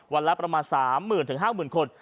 วันละประมาณ๓๐๐๐๐๕๐๐๐๐คน